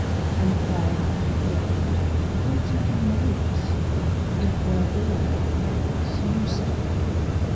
And pray, then, why do you marry us, If we're all the plagues you say?